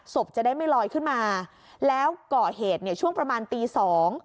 ศพจะได้ไม่ลอยขึ้นมาแล้วก่อเหตุเนี่ยช่วงประมาณตีสอง